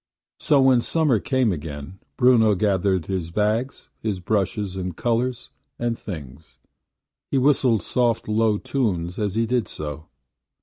So when summer came again, Bruno gathered his bags, his brushes and colors and things. He whistled soft low tunes as he did so.